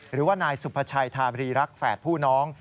หรือว่านายสุภาชัยธาบรีรักษ์แฝดผู้น้อง